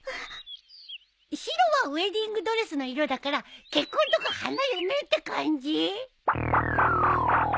白はウエディングドレスの色だから結婚とか花嫁って感じ？